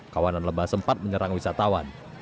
kawanan lebah sempat menyerang wisatawan